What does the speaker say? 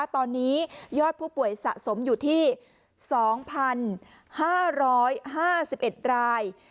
ตอนนี้ยอดผู้ป่วยสะสมอยู่ที่๒๕๕๑ราย